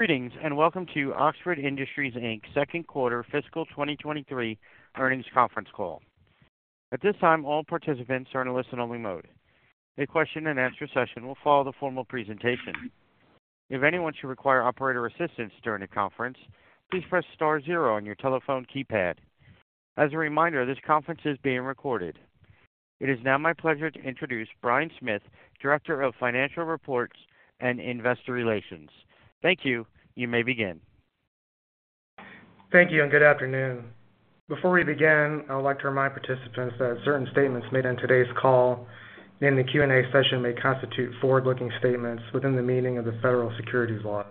Greetings, and welcome to Oxford Industries, Inc.'s Second Quarter Fiscal 2023 Earnings Conference Call. At this time, all participants are in a listen-only mode. A question-and-answer session will follow the formal presentation. If anyone should require operator assistance during the conference, please press star zero on your telephone keypad. As a reminder, this conference is being recorded. It is now my pleasure to introduce Brian Smith, Director of Financial Reporting and Investor Relations. Thank you. You may begin. Thank you, and good afternoon. Before we begin, I would like to remind participants that certain statements made on today's call in the Q&A session may constitute forward-looking statements within the meaning of the federal securities laws.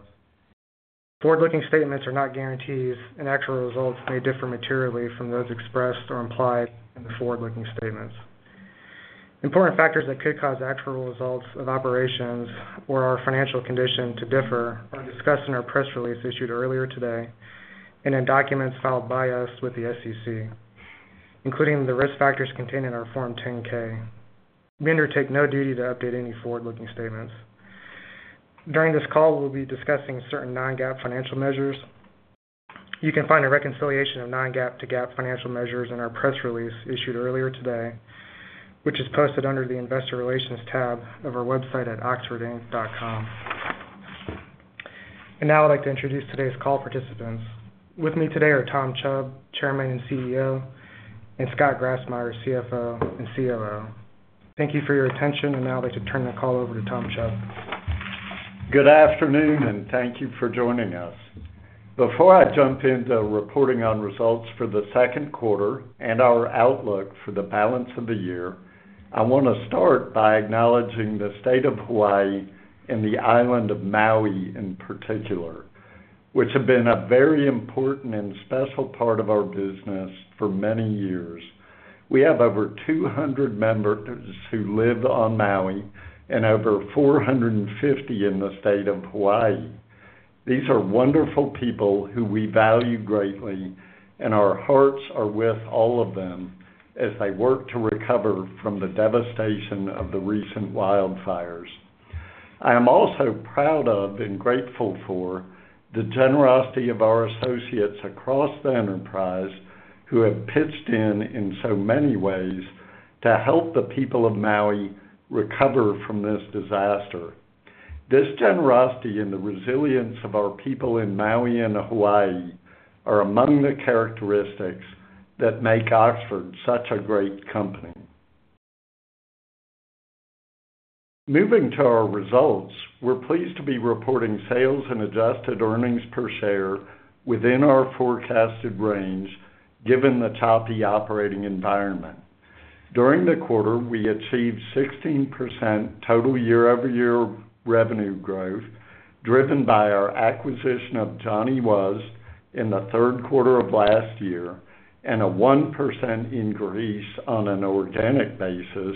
Forward-looking statements are not guarantees, and actual results may differ materially from those expressed or implied in the forward-looking statements. Important factors that could cause actual results of operations or our financial condition to differ are discussed in our press release issued earlier today and in documents filed by us with the SEC, including the risk factors contained in our Form 10-K. We undertake no duty to update any forward-looking statements. During this call, we'll be discussing certain non-GAAP financial measures. You can find a reconciliation of non-GAAP to GAAP financial measures in our press release issued earlier today, which is posted under the Investor Relations tab of our website at oxfordinc.com. Now I'd like to introduce today's call participants. With me today are Tom Chubb, Chairman and CEO, and Scott Grassmyer, CFO and COO. Thank you for your attention, and now I'd like to turn the call over to Tom Chubb. Good afternoon, and thank you for joining us. Before I jump into reporting on results for the second quarter and our outlook for the balance of the year, I want to start by acknowledging the state of Hawaii and the island of Maui in particular, which have been a very important and special part of our business for many years. We have over 200 members who live on Maui and over 450 in the state of Hawaii. These are wonderful people who we value greatly, and our hearts are with all of them as they work to recover from the devastation of the recent wildfires. I am also proud of and grateful for the generosity of our associates across the enterprise, who have pitched in in so many ways to help the people of Maui recover from this disaster. This generosity and the resilience of our people in Maui and Hawaii are among the characteristics that make Oxford such a great company. Moving to our results, we're pleased to be reporting sales and adjusted earnings per share within our forecasted range, given the choppy operating environment. During the quarter, we achieved 16% total year-over-year revenue growth, driven by our acquisition of Johnny Was in the third quarter of last year, and a 1% increase on an organic basis,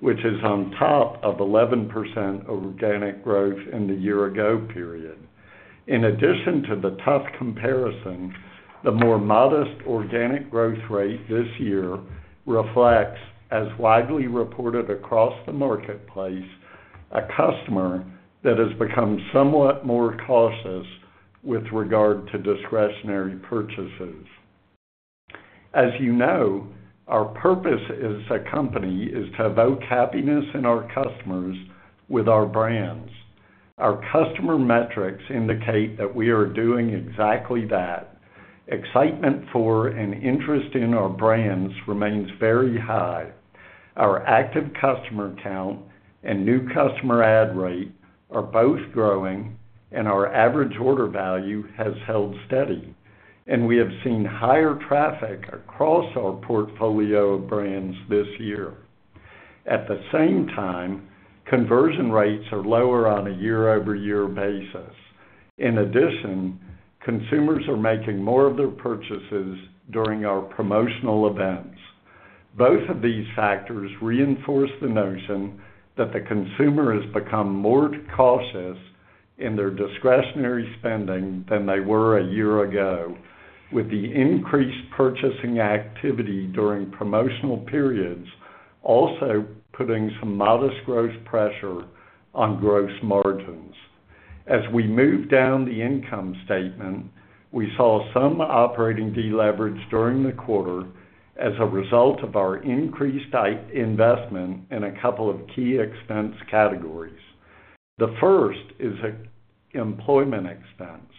which is on top of 11% organic growth in the year-ago period. In addition to the tough comparison, the more modest organic growth rate this year reflects, as widely reported across the marketplace, a customer that has become somewhat more cautious with regard to discretionary purchases. As you know, our purpose as a company is to evoke happiness in our customers with our brands. Our customer metrics indicate that we are doing exactly that. Excitement for and interest in our brands remains very high. Our active customer count and new customer add rate are both growing, and our average order value has held steady, and we have seen higher traffic across our portfolio of brands this year. At the same time, conversion rates are lower on a year-over-year basis. In addition, consumers are making more of their purchases during our promotional events. Both of these factors reinforce the notion that the consumer has become more cautious in their discretionary spending than they were a year ago, with the increased purchasing activity during promotional periods also putting some modest growth pressure on gross margins. As we move down the income statement, we saw some operating deleverage during the quarter as a result of our increased investment in a couple of key expense categories. The first is employment expense.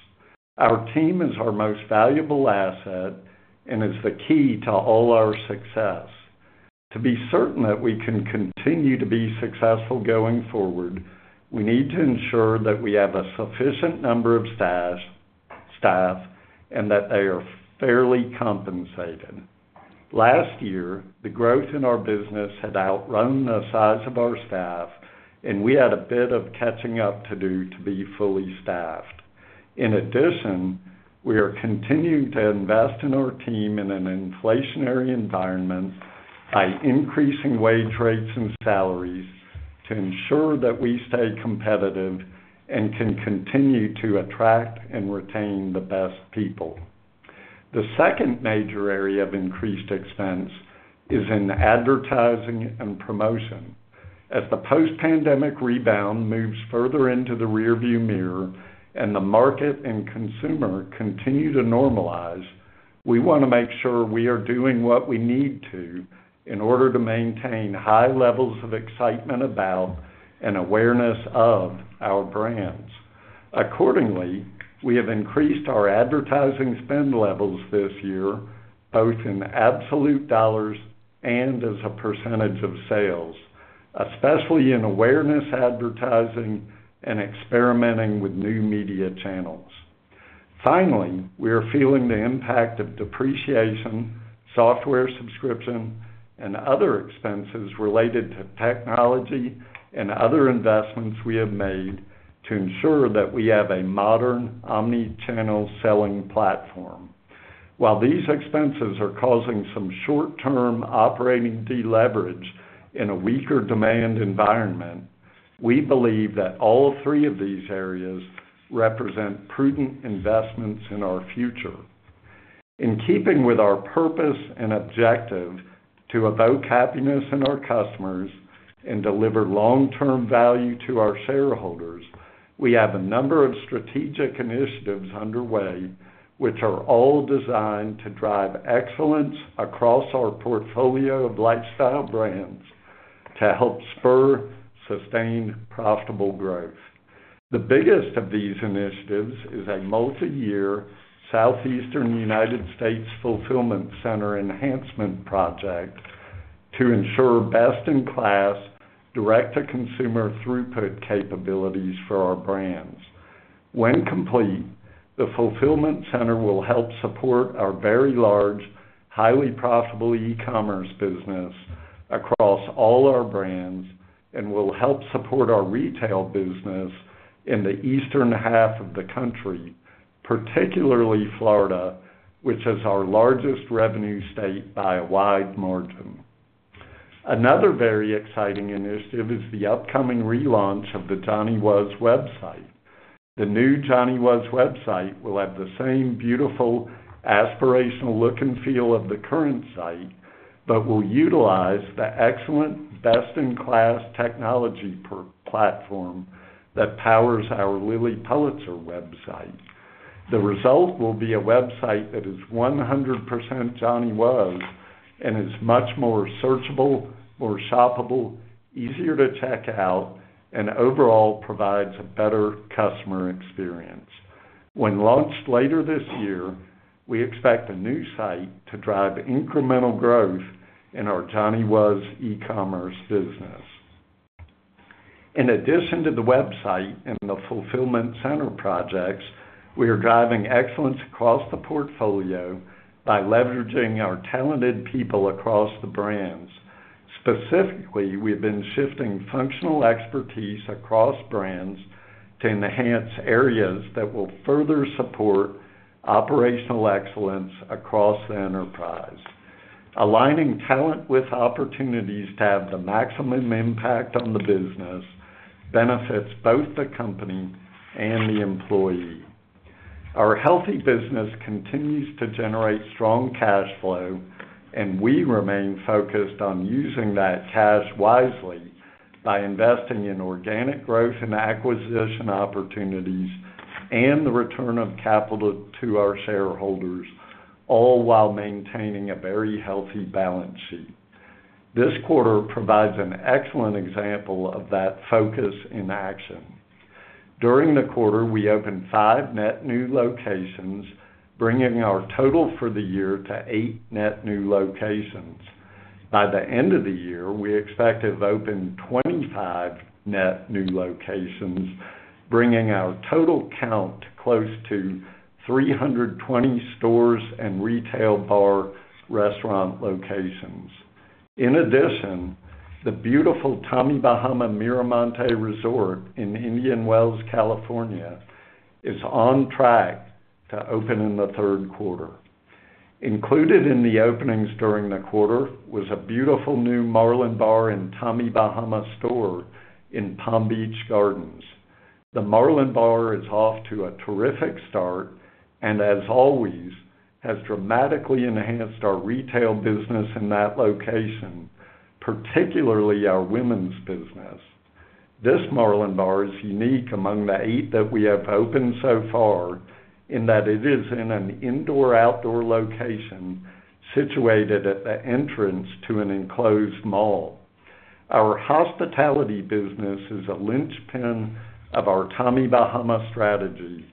Our team is our most valuable asset and is the key to all our success. To be certain that we can continue to be successful going forward, we need to ensure that we have a sufficient number of staff, staff, and that they are fairly compensated. Last year, the growth in our business had outrun the size of our staff, and we had a bit of catching up to do to be fully staffed. In addition, we are continuing to invest in our team in an inflationary environment by increasing wage rates and salaries to ensure that we stay competitive and can continue to attract and retain the best people. The second major area of increased expense is in advertising and promotion. As the post-pandemic rebound moves further into the rearview mirror and the market and consumer continue to normalize, we wanna make sure we are doing what we need to in order to maintain high levels of excitement about and awareness of our brands. Accordingly, we have increased our advertising spend levels this year, both in absolute dollars and as a percentage of sales, especially in awareness advertising and experimenting with new media channels. Finally, we are feeling the impact of depreciation, software subscription, and other expenses related to technology and other investments we have made to ensure that we have a modern omni-channel selling platform. While these expenses are causing some short-term operating deleverage in a weaker demand environment, we believe that all three of these areas represent prudent investments in our future. In keeping with our purpose and objective to evoke happiness in our customers and deliver long-term value to our shareholders, we have a number of strategic initiatives underway, which are all designed to drive excellence across our portfolio of lifestyle brands to help spur sustained, profitable growth. The biggest of these initiatives is a multiyear Southeastern United States fulfillment center enhancement project to ensure best-in-class, direct-to-consumer throughput capabilities for our brands. When complete, the fulfillment center will help support our very large, highly profitable e-commerce business across all our brands, and will help support our retail business in the eastern half of the country, particularly Florida, which is our largest revenue state by a wide margin. Another very exciting initiative is the upcoming relaunch of the Johnny Was website. The new Johnny Was website will have the same beautiful, aspirational look and feel of the current site, but will utilize the excellent, best-in-class technology platform that powers our Lilly Pulitzer website. The result will be a website that is 100% Johnny Was, and is much more searchable, more shoppable, easier to check out, and overall, provides a better customer experience. When launched later this year, we expect the new site to drive incremental growth in our Johnny Was e-commerce business. In addition to the website and the fulfillment center projects, we are driving excellence across the portfolio by leveraging our talented people across the brands. Specifically, we have been shifting functional expertise across brands to enhance areas that will further support operational excellence across the enterprise. Aligning talent with opportunities to have the maximum impact on the business benefits both the company and the employee. Our healthy business continues to generate strong cash flow, and we remain focused on using that cash wisely by investing in organic growth and acquisition opportunities and the return of capital to our shareholders, all while maintaining a very healthy balance sheet. This quarter provides an excellent example of that focus in action. During the quarter, we opened five net new locations, bringing our total for the year to eight net new locations. By the end of the year, we expect to have opened 25 net new locations, bringing our total count to close to 320 stores and retail bar restaurant locations. In addition, the beautiful Tommy Bahama Miramonte Resort in Indian Wells, California, is on track to open in the third quarter. Included in the openings during the quarter was a beautiful new Marlin Bar and Tommy Bahama store in Palm Beach Gardens. The Marlin Bar is off to a terrific start, and as always, has dramatically enhanced our retail business in that location, particularly our women's business. This Marlin Bar is unique among the 8 that we have opened so far, in that it is in an indoor-outdoor location, situated at the entrance to an enclosed mall. Our hospitality business is a linchpin of our Tommy Bahama strategy,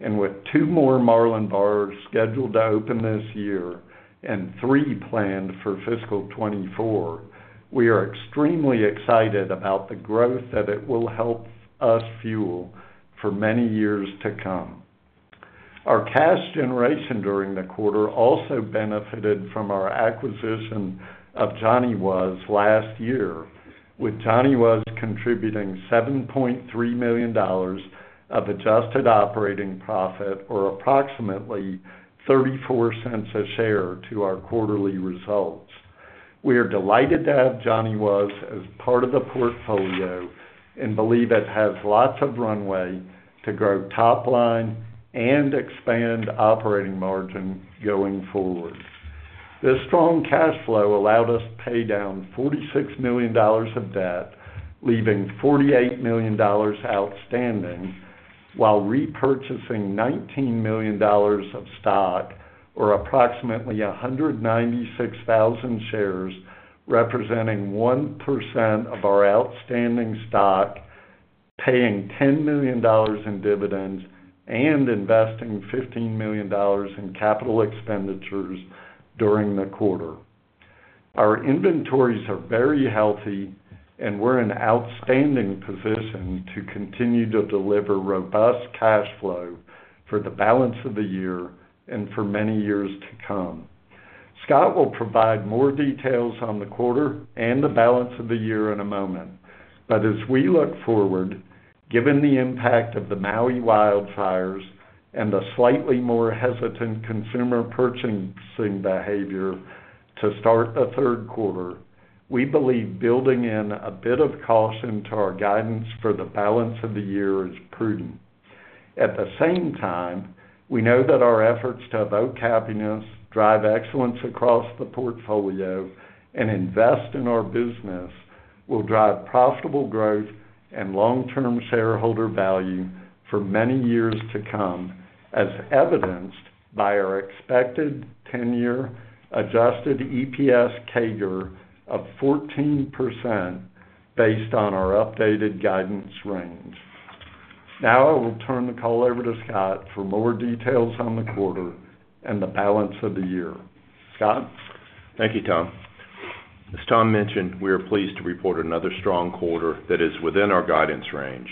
and with two more Marlin Bars scheduled to open this year and three planned for fiscal 2024, we are extremely excited about the growth that it will help us fuel for many years to come. Our cash generation during the quarter also benefited from our acquisition of Johnny Was last year, with Johnny Was contributing $7.3 million of adjusted operating profit, or approximately $0.34 a share, to our quarterly results. We are delighted to have Johnny Was as part of the portfolio, and believe it has lots of runway to grow top line and expand operating margin going forward. This strong cash flow allowed us to pay down $46 million of debt, leaving $48 million outstanding, while repurchasing $19 million of stock, or approximately 196,000 shares, representing 1% of our outstanding stock, paying $10 million in dividends, and investing $15 million in capital expenditures during the quarter. Our inventories are very healthy, and we're in outstanding position to continue to deliver robust cash flow for the balance of the year and for many years to come. Scott will provide more details on the quarter and the balance of the year in a moment. But as we look forward, given the impact of the Maui wildfires and the slightly more hesitant consumer purchasing behavior to start the third quarter, we believe building in a bit of caution to our guidance for the balance of the year is prudent. At the same time, we know that our efforts to evoke happiness, drive excellence across the portfolio, and invest in our business, will drive profitable growth and long-term shareholder value for many years to come, as evidenced by our expected 10-year adjusted EPS CAGR of 14% based on our updated guidance range. Now I will turn the call over to Scott for more details on the quarter and the balance of the year. Scott? Thank you, Tom. As Tom mentioned, we are pleased to report another strong quarter that is within our guidance range.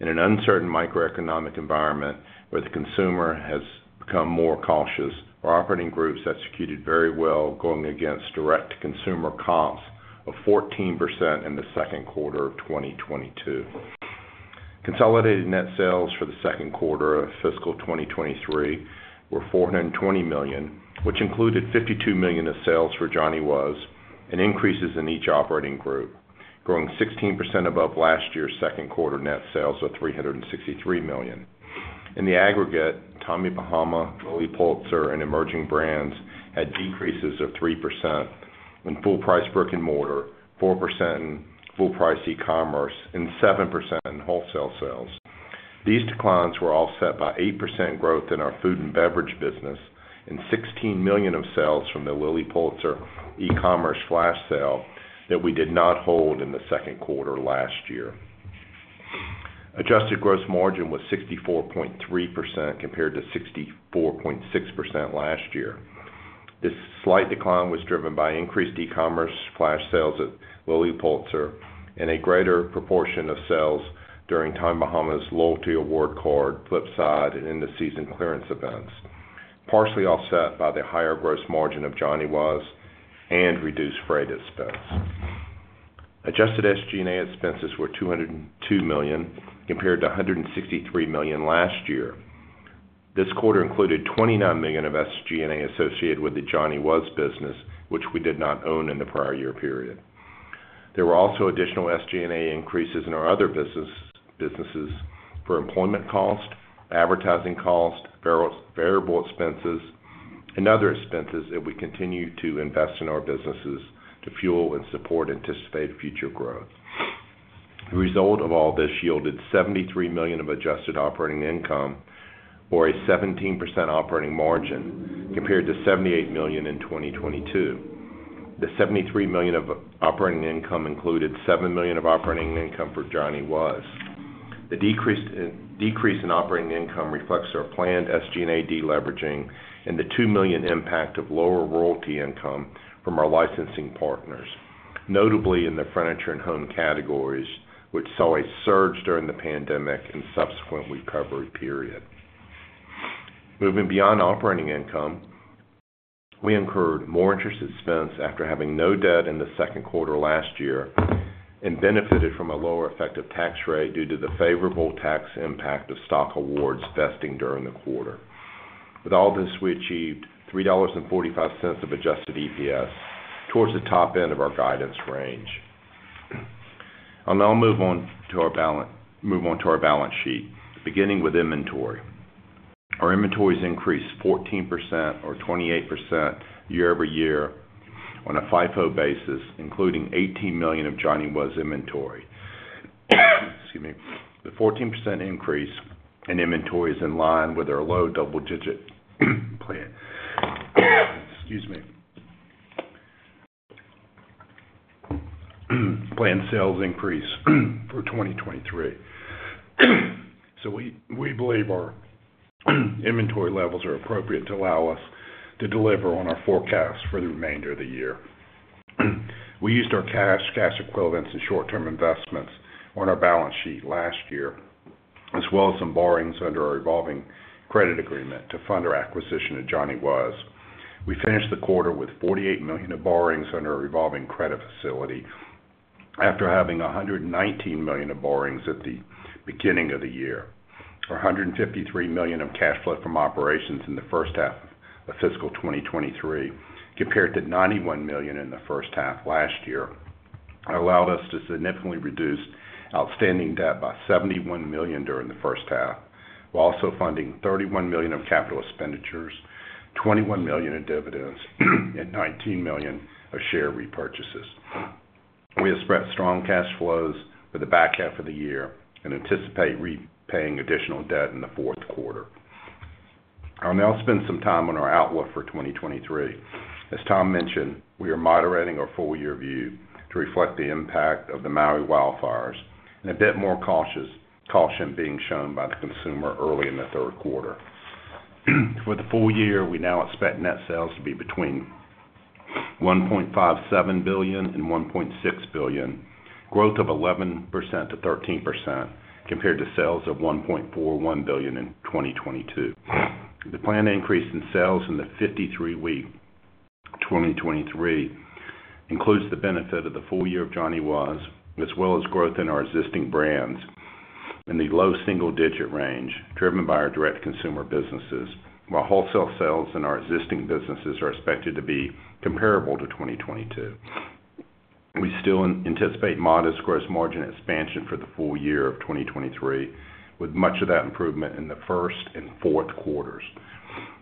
In an uncertain microeconomic environment where the consumer has become more cautious, our operating groups executed very well, going against direct-to-consumer comps of 14% in the second quarter of 2022. Consolidated net sales for the second quarter of fiscal 2023 were $420 million, which included $52 million of sales for Johnny Was, and increases in each operating group, growing 16% above last year's second quarter net sales of $363 million. In the aggregate, Tommy Bahama, Lilly Pulitzer, and Emerging Brands had decreases of 3% in full price brick-and-mortar, 4% in full price e-commerce, and 7% in wholesale sales. These declines were offset by 8% growth in our food and beverage business, and $16 million of sales from the Lilly Pulitzer e-commerce flash sale that we did not hold in the second quarter last year. Adjusted gross margin was 64.3%, compared to 64.6% last year. This slight decline was driven by increased e-commerce flash sales at Lilly Pulitzer and a greater proportion of sales during Tommy Bahama's loyalty award card, Flipside, and end-of-season clearance events, partially offset by the higher gross margin of Johnny Was and reduced freight expense. Adjusted SG&A expenses were $202 million, compared to $163 million last year. This quarter included $29 million of SG&A associated with the Johnny Was business, which we did not own in the prior year period. There were also additional SG&A increases in our other businesses for employment costs, advertising costs, variable expenses, and other expenses as we continue to invest in our businesses to fuel and support anticipated future growth. The result of all this yielded $73 million of adjusted operating income, or a 17% operating margin, compared to $78 million in 2022. The $73 million of operating income included $7 million of operating income for Johnny Was. The decrease in operating income reflects our planned SG&A deleveraging and the $2 million impact of lower royalty income from our licensing partners, notably in the furniture and home categories, which saw a surge during the pandemic and subsequent recovery period. Moving beyond operating income, we incurred more interest expense after having no debt in the second quarter last year, and benefited from a lower effective tax rate due to the favorable tax impact of stock awards vesting during the quarter. With all this, we achieved $3.45 of adjusted EPS towards the top end of our guidance range. I'll now move on to our balance sheet, beginning with inventory. Our inventories increased 14% or 28% year-over-year on a FIFO basis, including $18 million of Johnny Was inventory. Excuse me. The 14% increase in inventory is in line with our low double-digit plan. Excuse me. Planned sales increase for 2023. So we believe our inventory levels are appropriate to allow us to deliver on our forecasts for the remainder of the year. We used our cash, cash equivalents, and short-term investments on our balance sheet last year, as well as some borrowings under our revolving credit agreement to fund our acquisition of Johnny Was. We finished the quarter with $48 million of borrowings under our revolving credit facility.... After having $119 million of borrowings at the beginning of the year, or $153 million of cash flow from operations in the first half of fiscal 2023, compared to $91 million in the first half last year, allowed us to significantly reduce outstanding debt by $71 million during the first half, while also funding $31 million of capital expenditures, $21 million in dividends, and $19 million of share repurchases. We expect strong cash flows for the back half of the year and anticipate repaying additional debt in the fourth quarter. I'll now spend some time on our outlook for 2023. As Tom mentioned, we are moderating our full year view to reflect the impact of the Maui wildfires and a bit more caution being shown by the consumer early in the third quarter. For the full year, we now expect net sales to be between $1.57 billion and $1.6 billion, growth of 11%-13% compared to sales of $1.41 billion in 2022. The planned increase in sales in the 53-week 2023 includes the benefit of the full year of Johnny Was, as well as growth in our existing brands in the low single digit range, driven by our direct consumer businesses, while wholesale sales in our existing businesses are expected to be comparable to 2022. We still anticipate modest gross margin expansion for the full year of 2023, with much of that improvement in the first and fourth quarters.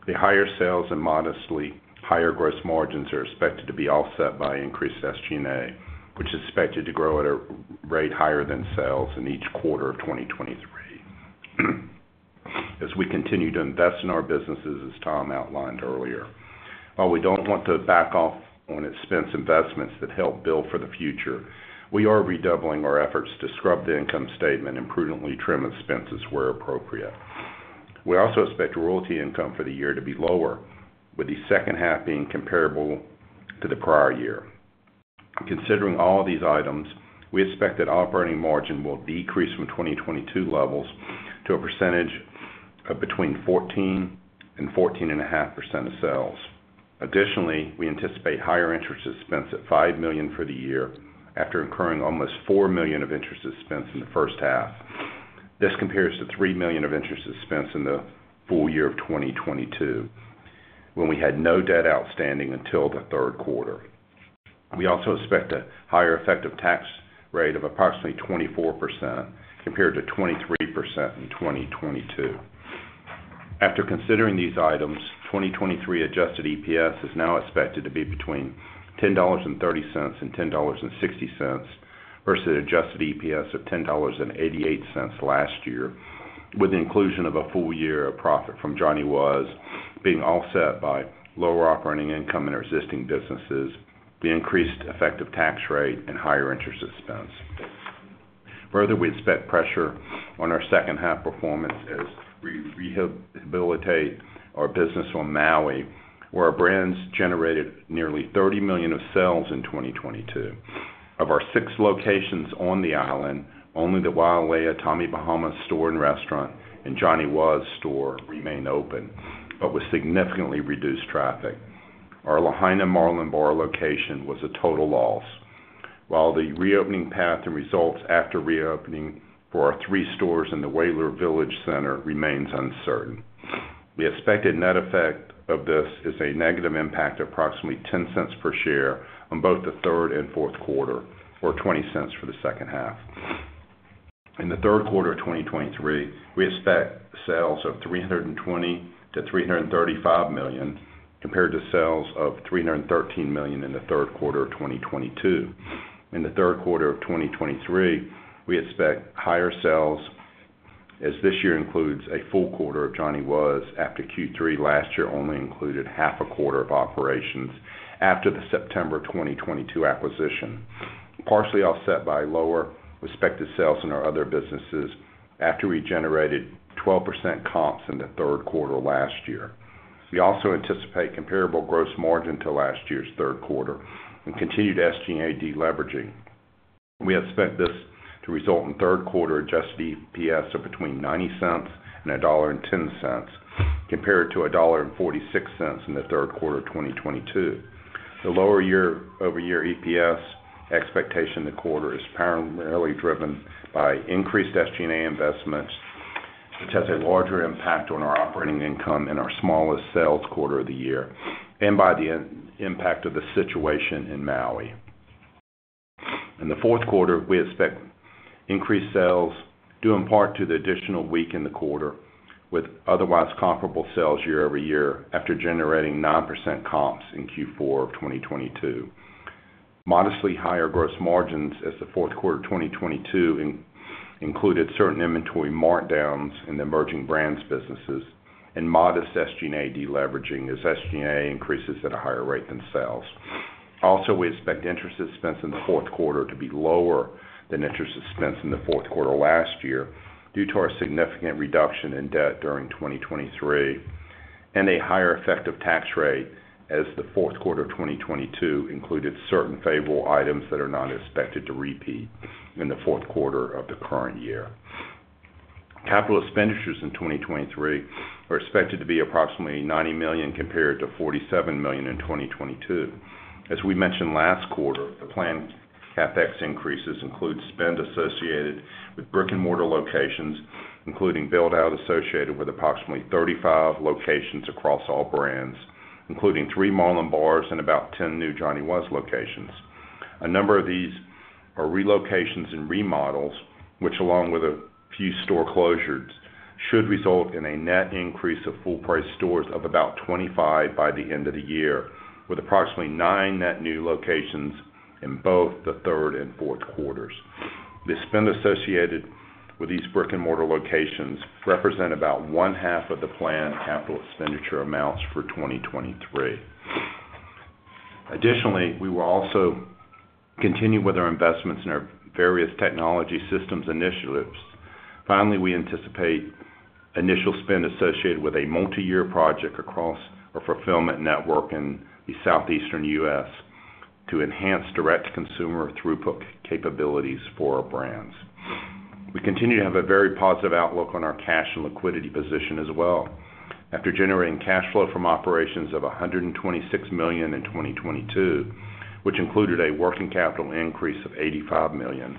The higher sales and modestly higher gross margins are expected to be offset by increased SG&A, which is expected to grow at a rate higher than sales in each quarter of 2023. As we continue to invest in our businesses, as Tom outlined earlier, while we don't want to back off on expense investments that help build for the future, we are redoubling our efforts to scrub the income statement and prudently trim expenses where appropriate. We also expect royalty income for the year to be lower, with the second half being comparable to the prior year. Considering all of these items, we expect that operating margin will decrease from 2022 levels to between 14% and 14.5% of sales. Additionally, we anticipate higher interest expense at $5 million for the year, after incurring almost $4 million of interest expense in the first half. This compares to $3 million of interest expense in the full year of 2022, when we had no debt outstanding until the third quarter. We also expect a higher effective tax rate of approximately 24%, compared to 23% in 2022. After considering these items, 2023 adjusted EPS is now expected to be between $10.30 and $10.60, versus adjusted EPS of $10.88 last year, with the inclusion of a full year of profit from Johnny Was, being offset by lower operating income in our existing businesses, the increased effective tax rate, and higher interest expense. Further, we expect pressure on our second half performance as we rehabilitate our business on Maui, where our brands generated nearly $30 million of sales in 2022. Of our six locations on the island, only the Wailea Tommy Bahama store and restaurant and Johnny Was store remain open, but with significantly reduced traffic. Our Lahaina Marlin Bar location was a total loss, while the reopening path and results after reopening for our three stores in the Whaler Village Center remains uncertain. We expect the net effect of this is a negative impact of approximately $0.10 per share on both the third and fourth quarter, or $0.20 for the second half. In the third quarter of 2023, we expect sales of $320 million-$335 million, compared to sales of $313 million in the third quarter of 2022. In the third quarter of 2023, we expect higher sales, as this year includes a full quarter of Johnny Was, after Q3 last year only included half a quarter of operations after the September 2022 acquisition, partially offset by lower respective sales in our other businesses after we generated 12% comps in the third quarter last year. We also anticipate comparable gross margin to last year's third quarter and continued SG&A deleveraging. We expect this to result in third quarter adjusted EPS of between $0.90 and $1.10, compared to $1.46 in the third quarter of 2022. The lower year-over-year EPS expectation in the quarter is primarily driven by increased SG&A investments, which has a larger impact on our operating income in our smallest sales quarter of the year, and by the impact of the situation in Maui. In the fourth quarter, we expect increased sales, due in part to the additional week in the quarter, with otherwise comparable sales year-over-year, after generating 9% comps in Q4 of 2022. Modestly higher gross margins as the fourth quarter of 2022 included certain inventory markdowns in the emerging brands businesses, and modest SG&A deleveraging as SG&A increases at a higher rate than sales. Also, we expect interest expense in the fourth quarter to be lower than interest expense in the fourth quarter last year, due to our significant reduction in debt during 2023, and a higher effective tax rate, as the fourth quarter of 2022 included certain favorable items that are not expected to repeat in the fourth quarter of the current year. Capital expenditures in 2023 are expected to be approximately $90 million, compared to $47 million in 2022. As we mentioned last quarter, the planned CapEx increases include spend associated with brick-and-mortar locations, including build out associated with approximately 35 locations across all brands, including three Marlin Bars and about 10 new Johnny Was locations. A number of these are relocations and remodels, which, along with a few store closures, should result in a net increase of full price stores of about 25 by the end of the year, with approximately nine net new locations in both the third and fourth quarters. The spend associated with these brick-and-mortar locations represent about one half of the planned capital expenditure amounts for 2023. Additionally, we will also continue with our investments in our various technology systems initiatives. Finally, we anticipate initial spend associated with a multiyear project across our fulfillment network in the Southeastern U.S. to enhance direct-to-consumer throughput capabilities for our brands. We continue to have a very positive outlook on our cash and liquidity position as well. After generating cash flow from operations of $126 million in 2022, which included a working capital increase of $85 million,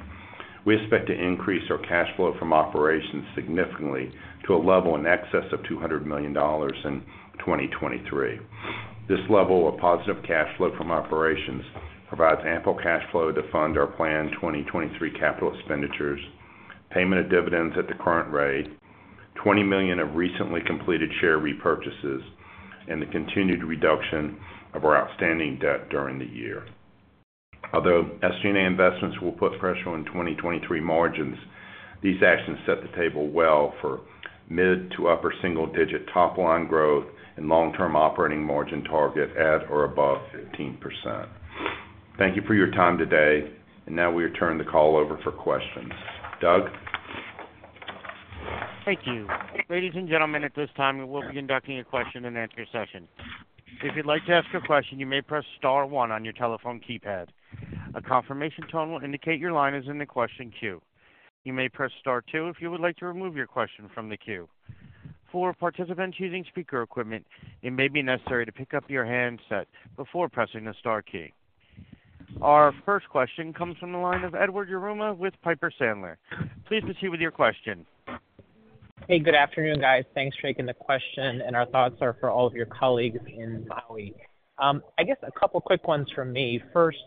we expect to increase our cash flow from operations significantly to a level in excess of $200 million in 2023. This level of positive cash flow from operations provides ample cash flow to fund our planned 2023 capital expenditures, payment of dividends at the current rate, $20 million of recently completed share repurchases, and the continued reduction of our outstanding debt during the year. Although SG&A investments will put pressure on 2023 margins, these actions set the table well for mid- to upper-single-digit top line growth and long-term operating margin target at or above 15%. Thank you for your time today, and now we return the call over for questions. Doug? Thank you. Ladies and gentlemen, at this time, we will be conducting a question-and-answer session. If you'd like to ask a question, you may press star one on your telephone keypad. A confirmation tone will indicate your line is in the question queue. You may press star two if you would like to remove your question from the queue. For participants using speaker equipment, it may be necessary to pick up your handset before pressing the star key. Our first question comes from the line of Edward Yruma with Piper Sandler. Please proceed with your question. Hey, good afternoon, guys. Thanks, taking the question, and our thoughts are for all of your colleagues in Maui. I guess a couple quick ones from me. First,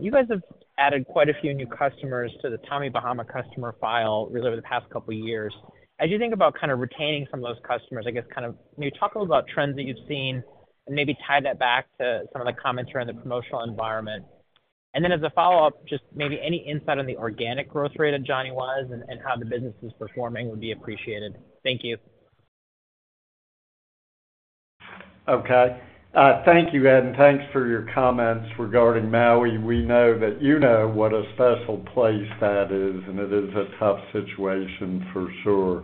you guys have added quite a few new customers to the Tommy Bahama customer file really over the past couple of years. As you think about kind of retaining some of those customers, I guess, kind of, can you talk a little about trends that you've seen and maybe tie that back to some of the comments around the promotional environment? And then as a follow-up, just maybe any insight on the organic growth rate of Johnny Was and how the business is performing would be appreciated. Thank you. Okay. Thank you, Ed, and thanks for your comments regarding Maui. We know that you know what a special place that is, and it is a tough situation for sure.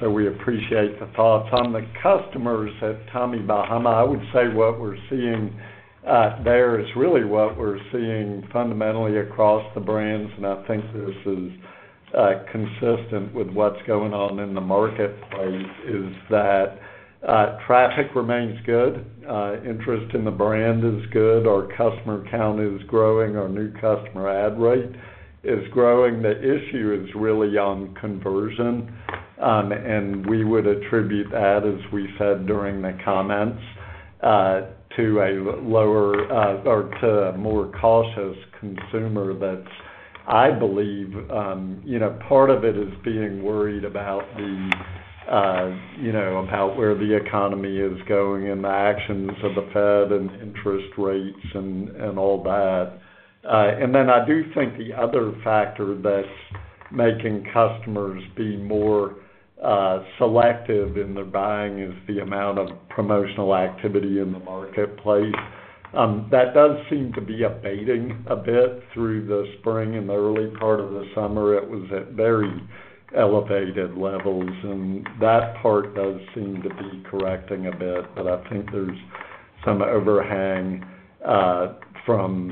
So we appreciate the thoughts. On the customers at Tommy Bahama, I would say what we're seeing there is really what we're seeing fundamentally across the brands, and I think this is consistent with what's going on in the marketplace, is that traffic remains good, interest in the brand is good, our customer count is growing, our new customer add rate is growing. The issue is really on conversion, and we would attribute that, as we said during the comments, to a lower or to a more cautious consumer. That I believe, you know, part of it is being worried about the, you know, about where the economy is going and the actions of the Fed and interest rates and all that. And then I do think the other factor that's making customers be more selective in their buying is the amount of promotional activity in the marketplace. That does seem to be abating a bit through the spring and the early part of the summer. It was at very elevated levels, and that part does seem to be correcting a bit, but I think there's some overhang from,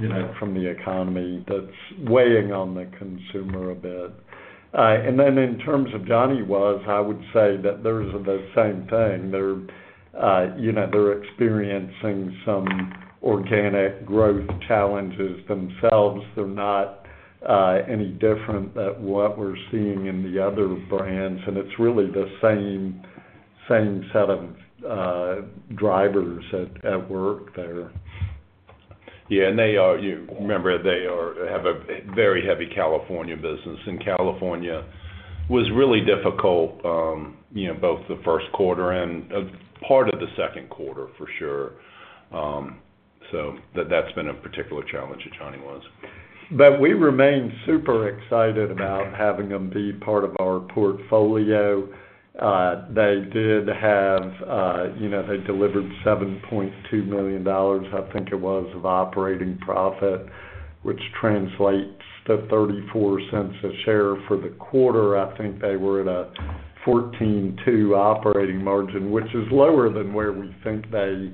you know, from the economy that's weighing on the consumer a bit. And then in terms of Johnny Was, I would say that there's the same thing. They're, you know, they're experiencing some organic growth challenges themselves. They're not any different than what we're seeing in the other brands, and it's really the same, same set of drivers at work there. Yeah, and they are, you remember, they are have a very heavy California business, and California was really difficult, you know, both the first quarter and part of the second quarter, for sure. So that's been a particular challenge at Johnny Was. But we remain super excited about having them be part of our portfolio. They did have, you know, they delivered $7.2 million, I think it was, of operating profit, which translates to $0.34 a share. For the quarter, I think they were at a 14.2% operating margin, which is lower than where we think they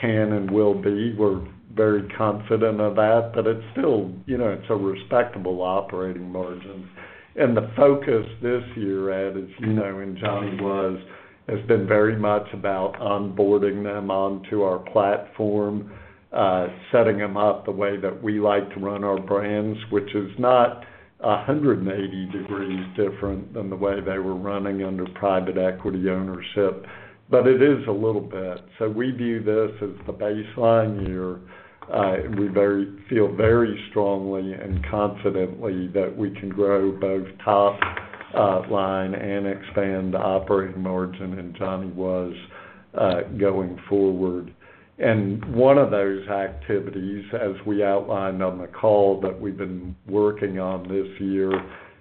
can and will be. We're very confident of that, but it's still, you know, it's a respectable operating margin. And the focus this year, Ed, as you know, and Johnny Was, has been very much about onboarding them onto our platform, setting them up the way that we like to run our brands, which is not 180 degrees different than the way they were running under private equity ownership, but it is a little bit. So we view this as the baseline year, and we feel very strongly and confidently that we can grow both top line and expand the operating margin in Johnny Was going forward. And one of those activities, as we outlined on the call, that we've been working on this year,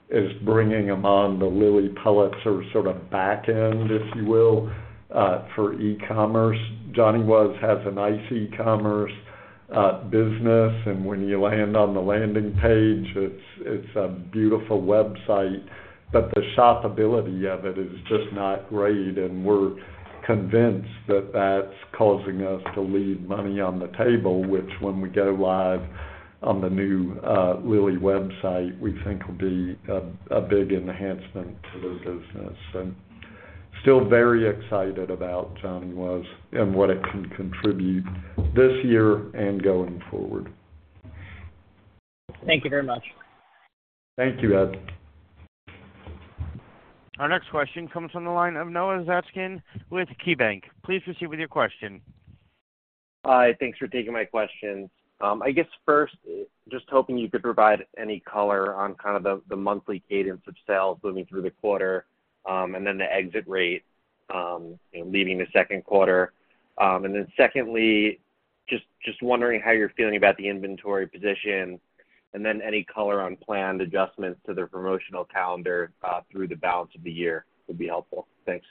is bringing them on the Lilly Pulitzer sort of back end, if you will, for e-commerce. Johnny Was has a nice e-commerce business, and when you land on the landing page, it's a beautiful website, but the shopability of it is just not great. And we're convinced that that's causing us to leave money on the table, which when we go live on the new Lilly website, we think will be a big enhancement to the business. Still very excited about Johnny Was and what it can contribute this year and going forward. Thank you very much. Thank you, Ed. Our next question comes from the line of Noah Zatzkin with KeyBanc. Please proceed with your question. Hi, thanks for taking my question. I guess first, just hoping you could provide any color on kind of the monthly cadence of sales moving through the quarter, and then the exit rate, you know, leaving the second quarter. And then secondly, just wondering how you're feeling about the inventory position, and then any color on planned adjustments to the promotional calendar through the balance of the year would be helpful. Thanks.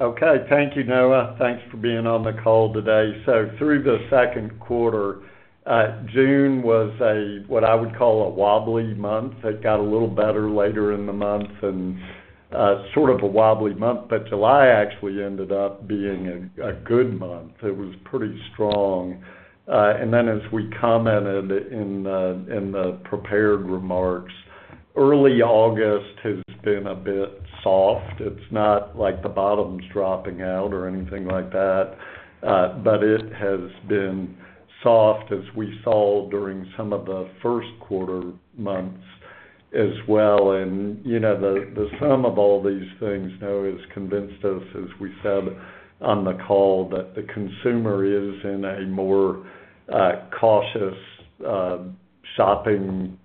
Okay. Thank you, Noah. Thanks for being on the call today. So through the second quarter, June was a, what I would call a wobbly month. It got a little better later in the month and, sort of a wobbly month, but July actually ended up being a good month. It was pretty strong. And then as we commented in the prepared remarks, early August has been a bit soft. It's not like the bottom's dropping out or anything like that, but it has been soft as we saw during some of the first quarter months as well. And, you know, the sum of all these things, Noah, has convinced us, as we said on the call, that the consumer is in a more cautious shopping,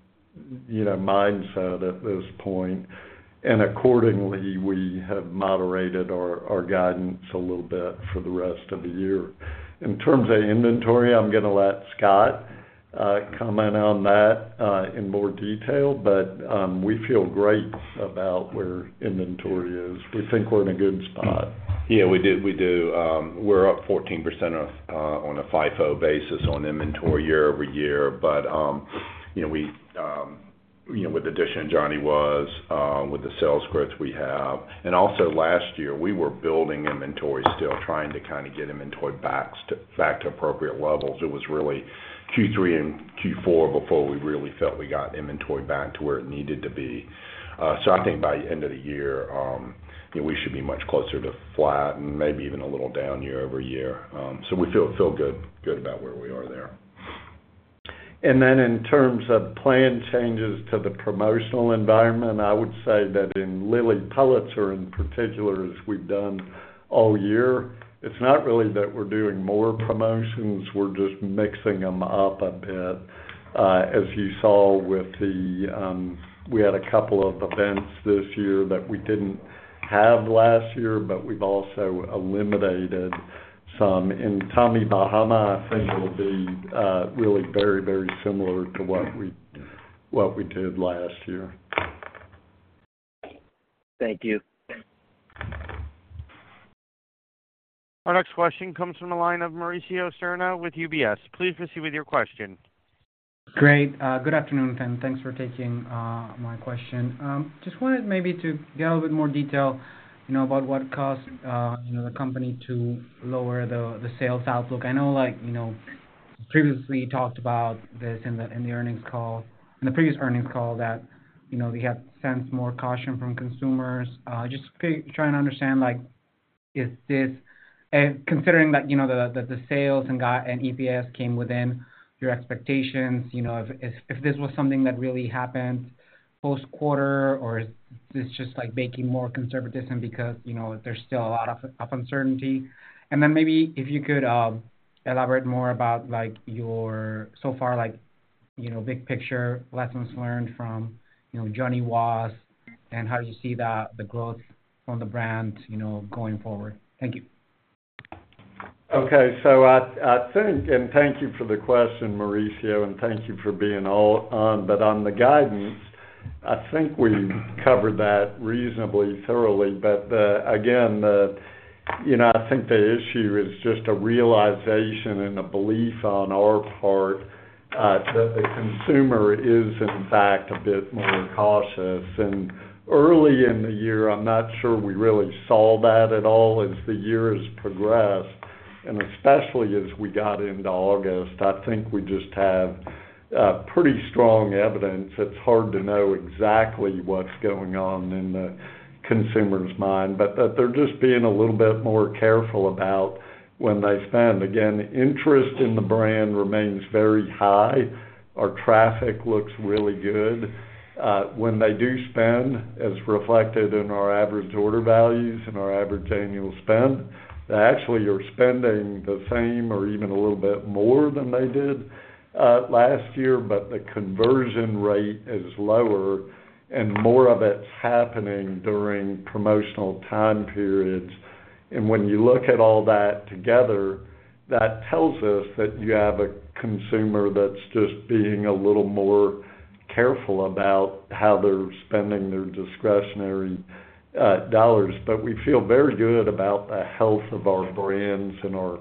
you know, mindset at this point. Accordingly, we have moderated our guidance a little bit for the rest of the year. In terms of inventory, I'm going to let Scott comment on that in more detail, but we feel great about where inventory is. We think we're in a good spot. Yeah, we do. We're up 14% on a FIFO basis on inventory year-over-year. But you know, with the addition of Johnny Was, with the sales growth we have. And also last year, we were building inventory, still trying to kind of get inventory back to appropriate levels. It was really Q3 and Q4 before we really felt we got inventory back to where it needed to be. So I think by the end of the year, we should be much closer to flat and maybe even a little down year-over-year. So we feel good about where we are there. And then in terms of plan changes to the promotional environment, I would say that in Lilly Pulitzer, in particular, as we've done all year, it's not really that we're doing more promotions, we're just mixing them up a bit. As you saw with the, we had a couple of events this year that we didn't have last year, but we've also eliminated some. In Tommy Bahama, I think it'll be really very, very similar to what we, what we did last year. Thank you. Our next question comes from the line of Mauricio Serna with UBS. Please proceed with your question. Great. Good afternoon, Tom. Thanks for taking my question. Just wanted maybe to get a little bit more detail, you know, about what caused, you know, the company to lower the sales outlook. I know, like, you know, previously you talked about this in the earnings call, in the previous earnings call, that, you know, we have sensed more caution from consumers. Just trying to understand, like, is this... Considering that, you know, the sales and guidance and EPS came within your expectations, you know, if this was something that really happened post-quarter, or is this just, like, being more conservative because, you know, there's still a lot of uncertainty? Then maybe if you could elaborate more about, like, your so far, like, you know, big picture lessons learned from, you know, Johnny Was, and how do you see the growth from the brand, you know, going forward? Thank you. Okay. So I think, and thank you for the question, Mauricio, and thank you for being on. But on the guidance, I think we covered that reasonably thoroughly. But again, you know, I think the issue is just a realization and a belief on our part that the consumer is, in fact, a bit more cautious. And early in the year, I'm not sure we really saw that at all. As the year has progressed, and especially as we got into August, I think we just have pretty strong evidence. It's hard to know exactly what's going on in the consumer's mind, but that they're just being a little bit more careful about when they spend. Again, interest in the brand remains very high. Our traffic looks really good. When they do spend, as reflected in our average order values and our average annual spend, they actually are spending the same or even a little bit more than they did last year, but the conversion rate is lower and more of it's happening during promotional time periods. And when you look at all that together, that tells us that you have a consumer that's just being a little more careful about how they're spending their discretionary dollars. But we feel very good about the health of our brands and our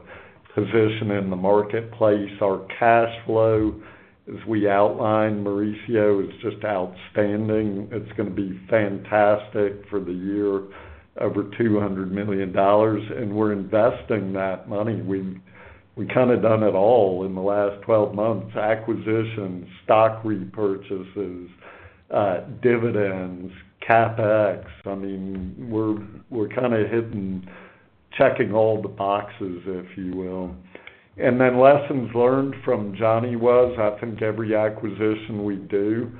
position in the marketplace. Our cash flow, as we outlined, Mauricio, is just outstanding. It's gonna be fantastic for the year, over $200 million, and we're investing that money. We've kind of done it all in the last 12 months: acquisitions, stock repurchases, dividends, CapEx. I mean, we're kind of hitting, checking all the boxes, if you will. And then lessons learned from Johnny Was, I think every acquisition we do,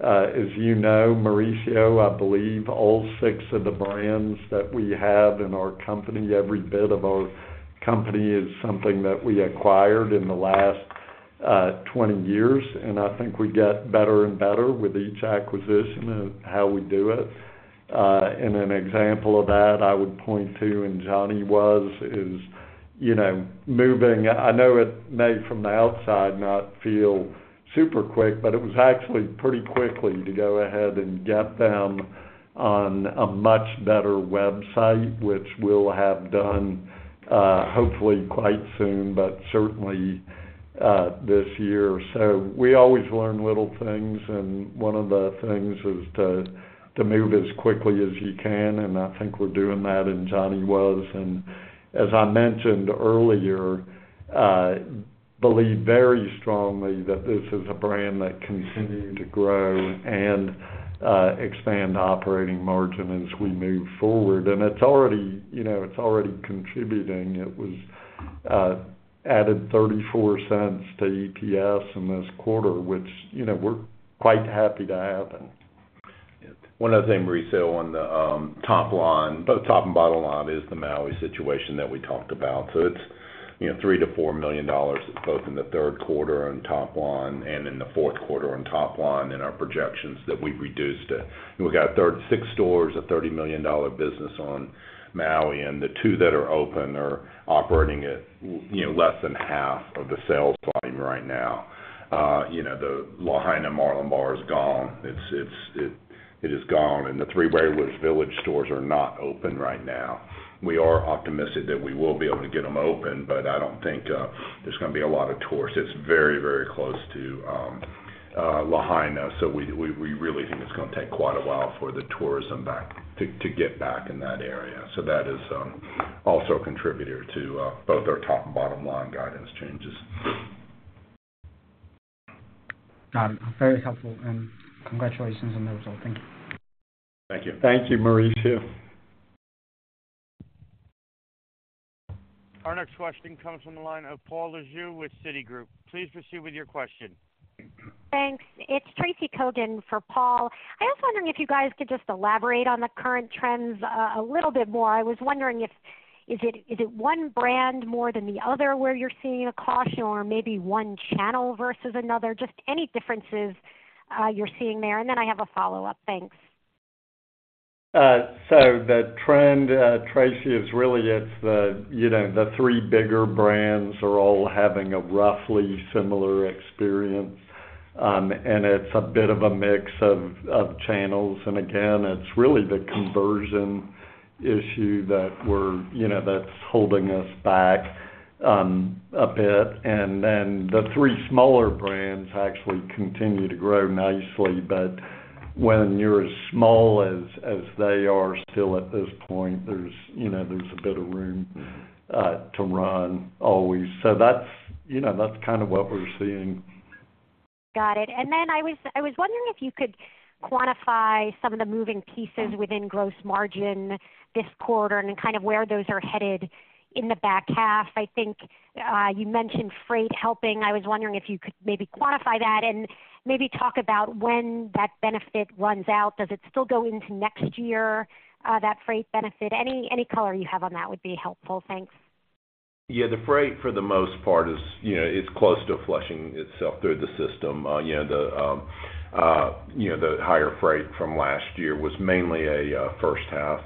as you know, Mauricio, I believe all six of the brands that we have in our company, every bit of our company, is something that we acquired in the last 20 years, and I think we get better and better with each acquisition and how we do it. And an example of that I would point to in Johnny Was is, you know, moving... I know it may, from the outside, not feel super quick, but it was actually pretty quickly to go ahead and get them on a much better website, which we'll have done, hopefully quite soon, but certainly this year. So we always learn little things, and one of the things is to move as quickly as you can, and I think we're doing that in Johnny Was. And as I mentioned earlier, believe very strongly that this is a brand that continue to grow and expand operating margin as we move forward. And it's already, you know, it's already contributing. It was added $0.34 to EPS in this quarter, which, you know, we're quite happy to happen. One other thing, Mauricio, on the top line, both top and bottom line, is the Maui situation that we talked about. So it's, you know, $3 million-$4 million, both in the third quarter and top line and in the fourth quarter on top line in our projections that we've reduced it. We've got 36 stores, a $30 million business on Maui, and the two that are open are operating at, you know, less than half of the sales volume right now. You know, the Lahaina Marlin Bar is gone. It is gone, and the three Whalers Village stores are not open right now. We are optimistic that we will be able to get them open, but I don't think there's gonna be a lot of tourists. It's very, very close to Lahaina, so we really think it's gonna take quite a while for the tourism to get back in that area. So that is also a contributor to both our top and bottom line guidance changes. Got it. Very helpful, and congratulations on the result. Thank you. Thank you. Thank you, Mauricio. Our next question comes from the line of Paul Lejoueur with Citigroup. Please proceed with your question. Thanks. It's Tracy Kogan for Paul. I was wondering if you guys could just elaborate on the current trends a little bit more. I was wondering if it is one brand more than the other, where you're seeing a caution or maybe one channel versus another? Just any differences you're seeing there, and then I have a follow-up. Thanks. So the trend, Tracy, is really it's the, you know, the three bigger brands are all having a roughly similar experience, and it's a bit of a mix of channels. And again, it's really the conversion issue that we're, you know, that's holding us back a bit. And then the three smaller brands actually continue to grow nicely. But when you're as small as they are still at this point, there's, you know, there's a bit of room to run always. So that's, you know, that's kind of what we're seeing. Got it. And then I was wondering if you could quantify some of the moving pieces within gross margin this quarter and then kind of where those are headed in the back half. I think you mentioned freight helping. I was wondering if you could maybe quantify that and maybe talk about when that benefit runs out. Does it still go into next year, that freight benefit? Any color you have on that would be helpful. Thanks. Yeah, the freight for the most part is, you know, it's close to flushing itself through the system. You know, the higher freight from last year was mainly a first half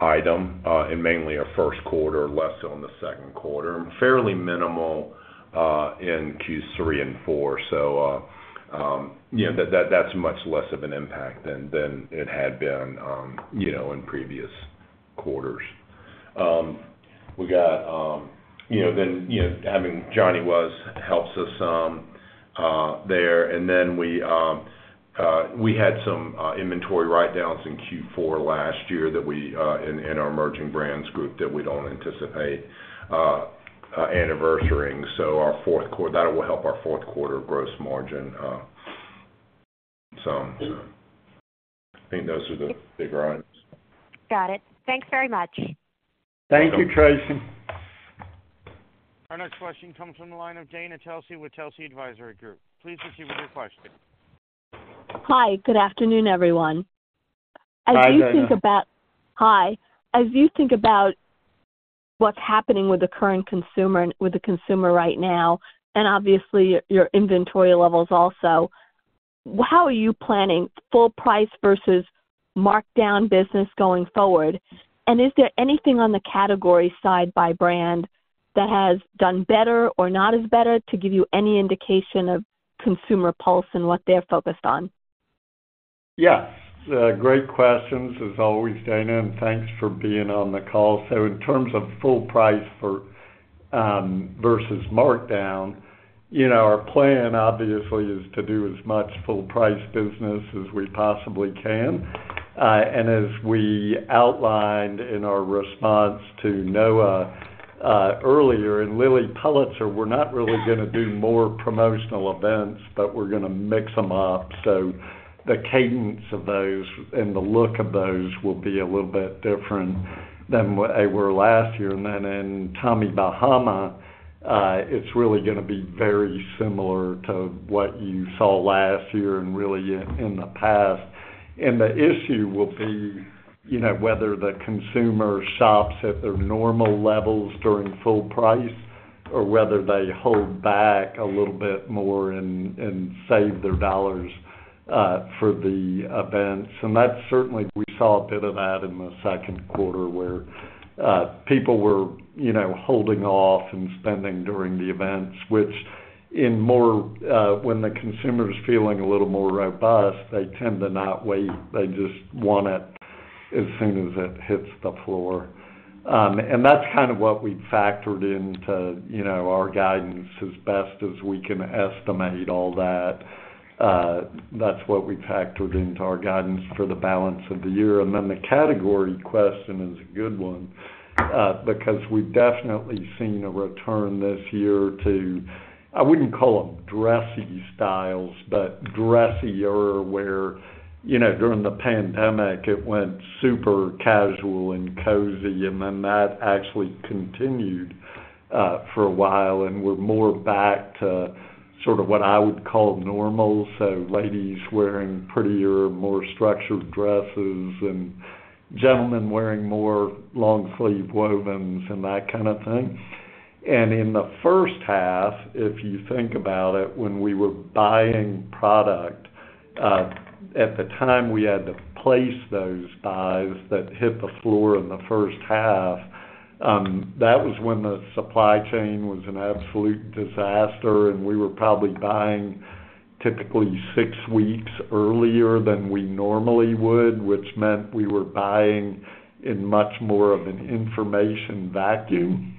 item, and mainly a first quarter, less on the second quarter, and fairly minimal in Q3 and four. So, you know, that's much less of an impact than it had been, you know, in previous quarters. We got, you know, then, you know, having Johnny Was helps us there. And then we had some inventory write-downs in Q4 last year that we in our emerging brands group that we don't anticipate anniversarying. So our fourth quarter, that will help our fourth quarter gross margin some. I think those are the big items. Got it. Thanks very much. Thank you, Tracy. Our next question comes from the line of Dana Telsey with Telsey Advisory Group. Please proceed with your question. Hi. Good afternoon, everyone. Hi, Dana. As you think about what's happening with the current consumer, with the consumer right now, and obviously, your inventory levels also, how are you planning full price versus markdown business going forward? And is there anything on the category side by brand that has done better or not as better to give you any indication of consumer pulse and what they're focused on? Yes, great questions as always, Dana, and thanks for being on the call. So in terms of full price for versus markdown, you know, our plan, obviously, is to do as much full price business as we possibly can. And as we outlined in our response to Noah earlier, in Lilly Pulitzer, we're not really gonna do more promotional events, but we're gonna mix them up. So the cadence of those and the look of those will be a little bit different than what they were last year. And then in Tommy Bahama, it's really gonna be very similar to what you saw last year and really in the past. The issue will be, you know, whether the consumer shops at their normal levels during full price, or whether they hold back a little bit more and save their dollars for the events. That certainly, we saw a bit of that in the second quarter, where people were, you know, holding off and spending during the events, which in more, when the consumer is feeling a little more robust, they tend to not wait. They just want it as soon as it hits the floor. And that's kind of what we've factored into, you know, our guidance as best as we can estimate all that. That's what we factored into our guidance for the balance of the year. Then the category question is a good one, because we've definitely seen a return this year to, I wouldn't call them dressy styles, but dressier, where, you know, during the pandemic, it went super casual and cozy, and then that actually continued, for a while, and we're more back to sort of what I would call normal. Ladies wearing prettier, more structured dresses, and gentlemen wearing more long-sleeve wovens and that kind of thing. In the first half, if you think about it, when we were buying product, at the time, we had to place those buys that hit the floor in the first half, that was when the supply chain was an absolute disaster, and we were probably buying typically six weeks earlier than we normally would, which meant we were buying in much more of an information vacuum.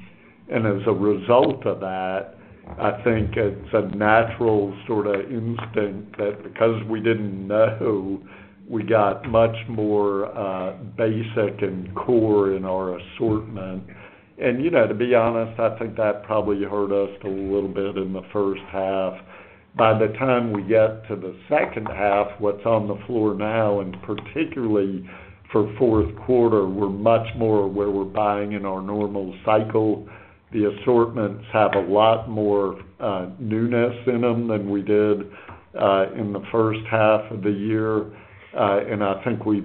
As a result of that, I think it's a natural sorta instinct that because we didn't know, we got much more basic and core in our assortment. And, you know, to be honest, I think that probably hurt us a little bit in the first half. By the time we get to the second half, what's on the floor now, and particularly for fourth quarter, we're much more where we're buying in our normal cycle. The assortments have a lot more newness in them than we did in the first half of the year. And I think we're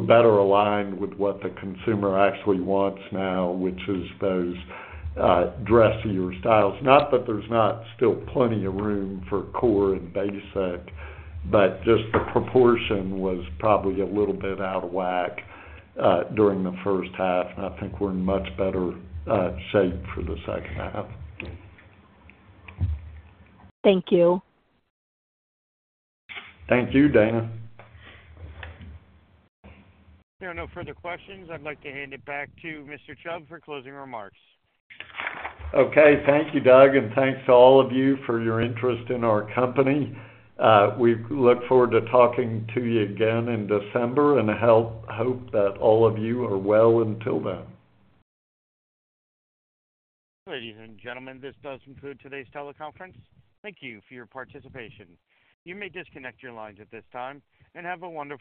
better aligned with what the consumer actually wants now, which is those dressier styles. Not that there's not still plenty of room for core and basic, but just the proportion was probably a little bit out of whack, during the first half, and I think we're in much better shape for the second half. Thank you. Thank you, Dana. There are no further questions. I'd like to hand it back to Mr. Chubb for closing remarks. Okay, thank you, Doug, and thanks to all of you for your interest in our company. We look forward to talking to you again in December and I hope that all of you are well until then. Ladies and gentlemen, this does conclude today's teleconference. Thank you for your participation. You may disconnect your lines at this time, and have a wonderful day.